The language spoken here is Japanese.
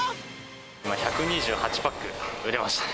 １２８パック売れましたね。